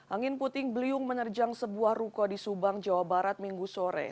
angin puting beliung menerjang sebuah ruko di subang jawa barat minggu sore